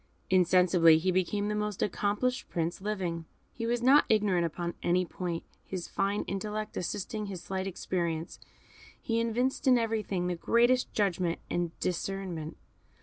Insensibly he became the most accomplished Prince living. He was not ignorant upon any point; his fine intellect assisting his slight experience, he evinced in everything the greatest judgment and discernment.